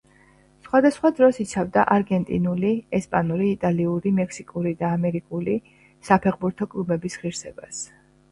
სხვადასხვა დროს იცავდა არგენტინული, ესპანური, იტალიური, მექსიკური და ამერიკული საფეხბურთო კლუბების ღირსებას.